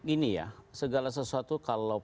ini ya segala sesuatu kalau